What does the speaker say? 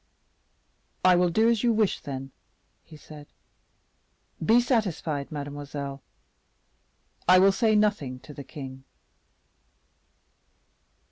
"I will do as you wish, then," he said. "Be satisfied, mademoiselle, I will say nothing to the king."